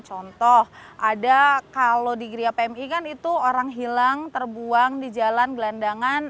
contoh ada kalau di geria pmi kan itu orang hilang terbuang di jalan gelandangan